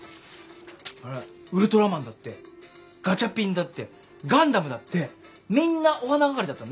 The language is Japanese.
ほらウルトラマンだってガチャピンだってガンダムだってみんなお花係だったんだよ。